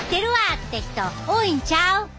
って人多いんちゃう？